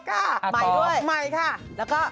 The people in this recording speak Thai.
ต่อใหม่ด้วยค่ะแล้วก็